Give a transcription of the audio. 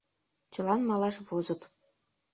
Чылан малаш возыт.